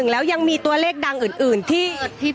แล้วยังมีตัวเลขดังอื่นที่